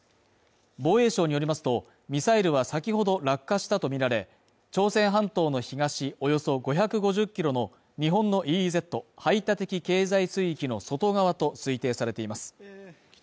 防衛省によりますと、ミサイルは先ほど落下したとみられ、朝鮮半島の東およそ５５０キロの日本のＥＥＺ＝排他的経済水域の外側と推定されています。